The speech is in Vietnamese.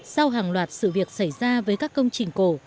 sau hàng loạt sự việc xảy ra với các công trình cổ